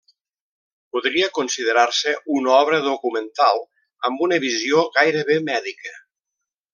Podria considerar-se una obra documental amb una visió gairebé mèdica.